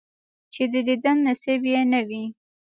چې د دیدن نصیب یې نه وي،